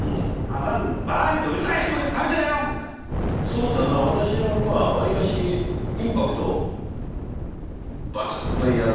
そうだな私の句はわりかしインパクトバツンとやるのが結構好きだから。